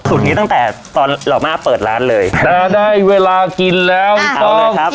นี้ตั้งแต่ตอนเรามาเปิดร้านเลยนะได้เวลากินแล้วเอาเลยครับ